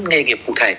nghề nghiệp cụ thể